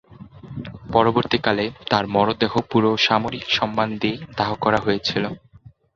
পরবর্তীকালে তাঁর মরদেহ পুরো সামরিক সম্মান দিয়ে দাহ করা হয়েছিল।